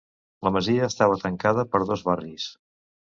La masia estava tancada per dos barris.